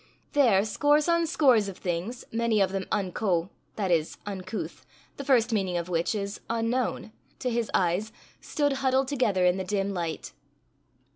There scores on scores of things, many of them unco, that is uncouth, the first meaning of which is unknown, to his eyes, stood huddled together in the dim light.